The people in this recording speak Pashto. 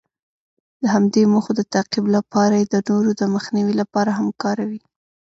د همدې موخو د تعقیب لپاره یې د نورو د مخنیوي لپاره هم کاروي.